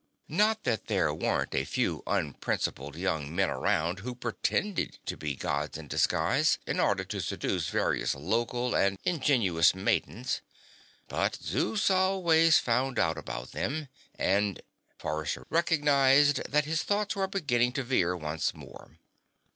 Not that there weren't a few unprincipled young men around who pretended to be Gods in disguise in order to seduce various local and ingenuous maidens. But Zeus always found out about them. And ... Forrester recognized that his thoughts were beginning to veer once more.